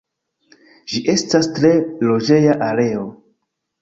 Ĝi estas tre loĝeja areo.